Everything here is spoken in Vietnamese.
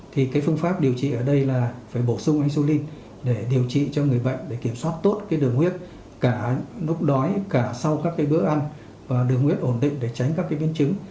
thì cái phương pháp điều trị ở đây là phải bổ sung isolin để điều trị cho người bệnh để kiểm soát tốt cái đường huyết cả lúc đói cả sau các cái bữa ăn và đường huyết ổn định để tránh các cái biến chứng